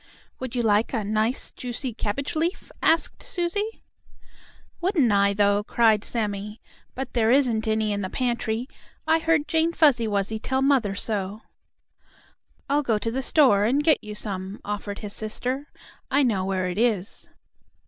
"Would you like a nice, juicy cabbage leaf?" asked Susie. "Wouldn't I, though!" cried Sammie, "But there isn't any in the pantry. I heard Jane Fuzzy Wuzzy tell mother so." "I'll go to the store and get you some," offered his sister. "I know where it is."